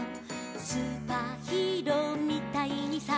「スーパーヒーローみたいにさ」